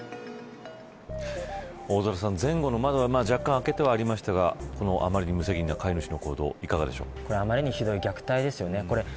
大空さん前後の窓は若干、開けられていましたがこのあまりに無責任な飼い主のこれはひどい虐待ですよね。